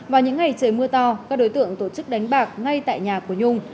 vào những ngày trời mưa to các đối tượng tổ chức đánh bạc ngay tại nhà của nhung